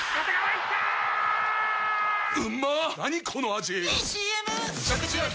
⁉いいＣＭ！！